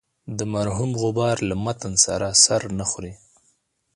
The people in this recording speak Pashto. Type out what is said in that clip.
د مرحوم غبار له متن سره سر نه خوري.